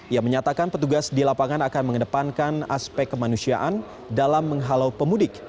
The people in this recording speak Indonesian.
ia menyatakan petugas di lapangan akan mengedepankan aspek kemanusiaan dalam menghalau pemudik